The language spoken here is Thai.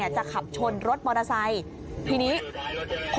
จะขับชนรถมอเตอร์ไซค์